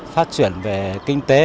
phát triển về kinh tế